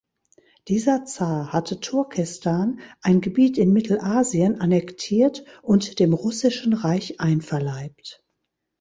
Dieser Zar hatte Turkestan, ein Gebiet in Mittelasien, annektiert und dem Russischen Reich einverleibt.